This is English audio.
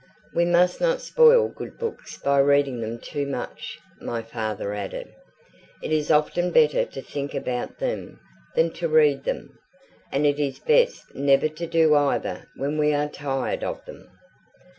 "We must not spoil good books by reading them too much," my father added. "It is often better to think about them than to read them; and it is best never to do either when we are tired of them.